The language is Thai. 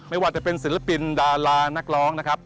ไม่ว่าจะเป็นศิลปินดารานักร้องนะครับ